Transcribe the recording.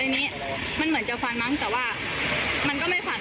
ทีนี้มันเหมือนจะฟันมั้งแต่ว่ามันก็ไม่ฟัง